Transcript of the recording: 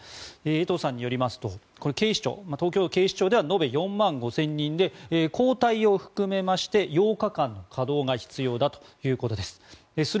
江藤さんによりますと東京警視庁では延べ４万５０００人で交代を含めまして８日間の稼働が必要だということです。